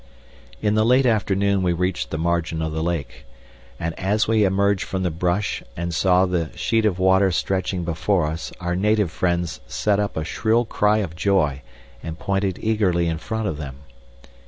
In the late afternoon we reached the margin of the lake, and as we emerged from the bush and saw the sheet of water stretching before us our native friends set up a shrill cry of joy and pointed eagerly in front of them.